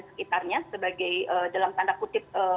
sekitarnya sebagai dalam tanda kutip